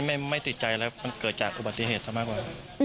ไม่ติดใจอะไรมันเกิดจากอุบัติเหตุซะมากกว่า